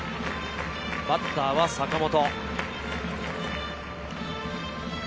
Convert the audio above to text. バッターは坂本。